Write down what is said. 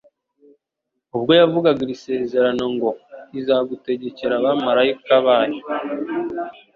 Ubwo yavugaga iri sezerano ngo : «Izagutegekera abamalayika bayo»,